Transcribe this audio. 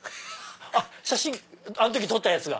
あっ写真あの時撮ったやつが？